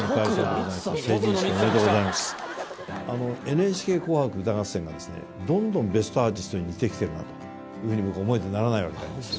『ＮＨＫ紅白歌合戦』がどんどん『ベストアーティスト』に似て来てるなというふうに僕は思えてならないわけでありますよ。